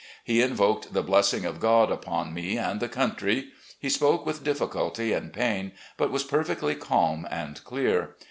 He invoked the blessing of God upon me and the country. He spoke with difficulty and pain, but was perfectly calm and clear.